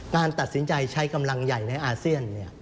การตัดสินใจใช้กำลังใหญ่ในอาเซียน